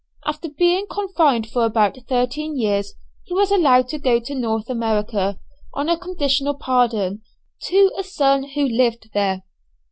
After being confined for about thirteen years, he was allowed to go to North America, on a conditional pardon, to a son who lived there.